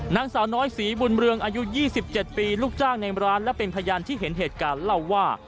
นางสาวน้อยศรีบุญเรืองอายุ๒๗ปีลูกจ้างในร้านและเป็นพยานที่เห็นเหตุการณ์เล่าว่า